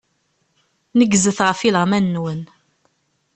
Negzet ɣef ileɣman-nwen.